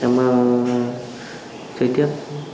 để em chơi thiệt